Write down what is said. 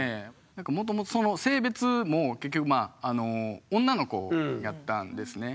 なんかもともとその性別も結局まあ女の子やったんですね。